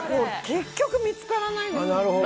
結局、見つからないんですよね。